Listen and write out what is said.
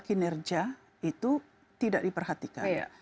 kinerja itu tidak diperhatikan